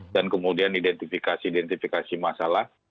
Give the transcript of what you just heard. dan kemudian identifikasi identifikasi masalah